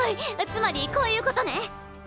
つまりこういうことね。